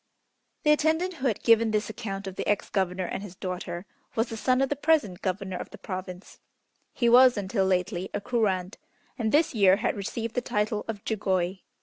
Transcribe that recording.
The attendant who had given this account of the ex governor and his daughter, was the son of the present Governor of the Province. He was until lately a Kurand, and this year had received the title of Jugoi.